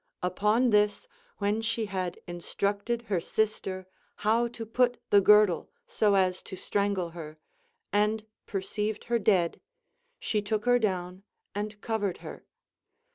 Upon this, when she had instructed her sister how to put the girdle so as to strangle her, and perceived her dead, she took her down and covered her.